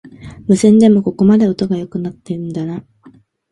無線でもここまで音が良くなってんだな